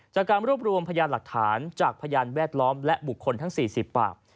จากการรวบรวมพยานหลักฐานจากพยานแวดล้อมและบุคคลทั้ง๔๐ปาก